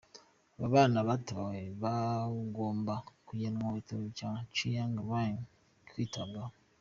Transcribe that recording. Aba bana batabawe bagomba kujyanwa ku bitaro bya Chiang Rai kwitabwaho.